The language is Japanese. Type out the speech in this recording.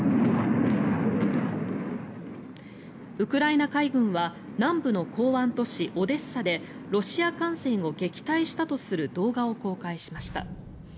ウクライナ海軍は南部の港湾都市オデッサでロシア艦船を撃退したとする動画を公開しました。